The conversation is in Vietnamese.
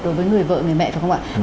đối với người vợ người mẹ phải không ạ